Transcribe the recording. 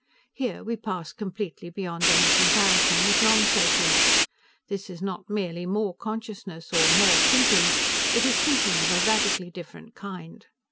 Here we pass completely beyond any comparison with nonsapience. This is not merely more consciousness, or more thinking; it is thinking of a radically different kind.